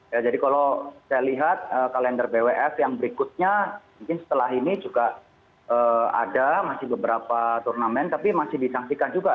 ya jadi kalau saya lihat kalender bwf yang berikutnya mungkin setelah ini juga ada masih beberapa turnamen tapi masih disangsikan juga